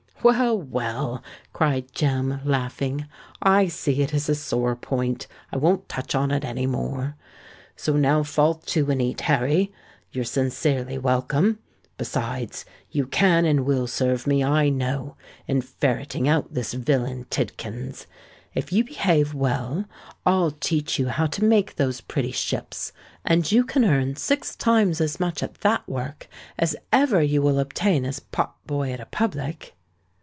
"Well—well," cried Jem, laughing; "I see it is a sore point—I won't touch on it any more. So now fall to, and eat, Harry. You're sincerely welcome. Besides, you can and will serve me, I know, in ferretting out this villain Tidkins. If you behave well, I'll teach you how to make those pretty ships; and you can earn six times as much at that work, as ever you will obtain as pot boy at a public."